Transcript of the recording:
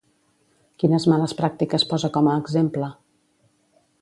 Quines males pràctiques posa com a exemple?